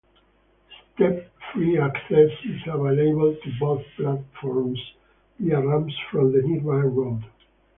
Step-free access is available to both platforms via ramps from the nearby road.